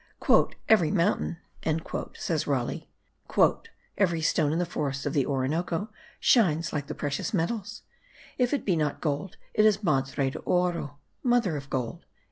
"Every mountain," says Raleigh, "every stone in the forests of the Orinoco, shines like the precious metals; if it be not gold, it is madre del oro (mother of gold)."